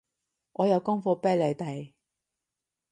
我有功課畀你哋